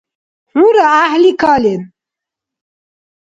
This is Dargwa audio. ХӀура гӀяхӀли кален!